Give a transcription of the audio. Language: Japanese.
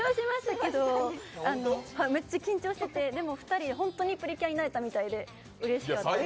めっちゃ緊張してましたけど、でも２人、本当にプリキュアになれたみたいでうれしかったです。